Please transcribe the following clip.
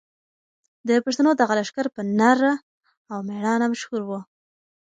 د پښتنو دغه لښکر په نره او مېړانه مشهور و.